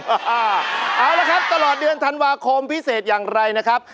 เอาละครับตลอดเดือนธันวาคมพิเศษอย่างไรนะครับ